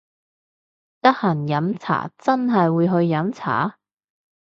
得閒飲茶真係會去飲茶！？